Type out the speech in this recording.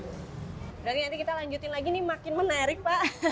berarti nanti kita lanjutin lagi nih makin menarik pak